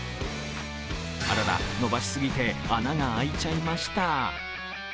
あらら、伸ばしすぎて穴が開いちゃいました。